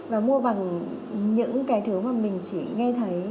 và mua bằng những cái thứ mà mình chỉ nghe thấy